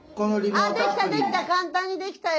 ああできたできた簡単にできたよ。